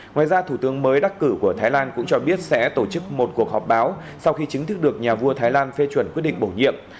ngoài ra thủ tướng mới đắc cử của thái lan cũng cho biết sẽ tổ chức một cuộc họp báo sau khi chính thức được nhà vua thái lan phê chuẩn quyết định bổ nhiệm